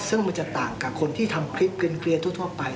ซึ่งมันจะต่างกับคนที่ทำคลิปเกลียร์ทั่วไป